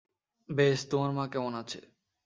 বেশ, - তোমার মা কেমন আছে?